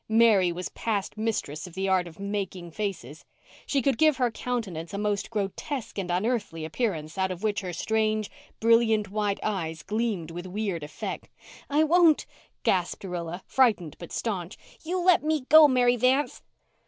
Mary was past mistress in the art of "making faces." She could give her countenance a most grotesque and unearthly appearance out of which her strange, brilliant, white eyes gleamed with weird effect. "I won't," gasped Rilla, frightened but staunch. "You let me go, Mary Vanth."